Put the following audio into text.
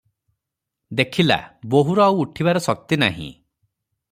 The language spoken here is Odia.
ଦେଖିଲା, ବୋହୂର ଆଉ ଉଠିବାର ଶକ୍ତି ନାହିଁ ।